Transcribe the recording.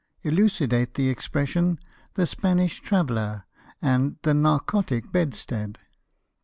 Elucidate the expression, "the Spanish Traveller," and the "narcotic bedstead."